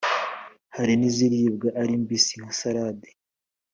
hari n’iziribwa ari mbisi nka sarade.